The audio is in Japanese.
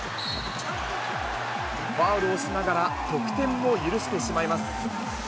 ファウルをしながら得点も許してしまいます。